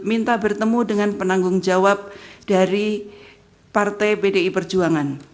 minta bertemu dengan penanggung jawab dari partai bdi perjuangan